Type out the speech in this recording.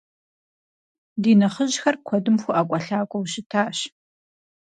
Ди нэхъыжьхэр куэдым хуэӏэкӏуэлъакӏуэу щытащ.